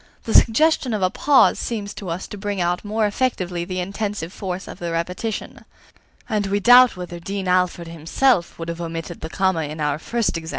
The suggestion of a pause seems to us to bring out more effectively the intensive force of the repetition. And we doubt whether Dean Alford himself would have omitted the comma in our first example. THE SEMICOLON XXI.